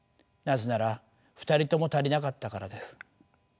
なぜなら２人とも足りなかったからです。